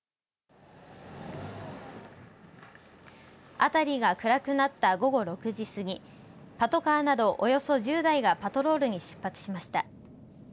辺りが暗くなった午後６時過ぎパトカーなどおよそ１０台がパトロールに出発しました。